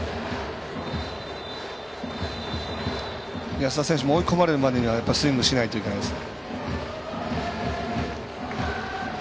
安田選手も追い込まれるまでにはやっぱりスイングしないといけないです。